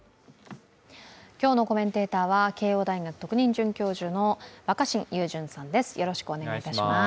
今日のコメンテーターは慶応大学特任准教授の若新雄純さんです。